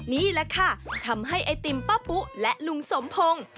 นี่แหละค่ะทำให้ไอติมป้าปุ๊และลุงสมพงศ์